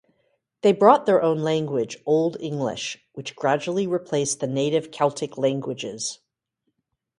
They brought their own language, Old English, which gradually replaced the native Celtic languages.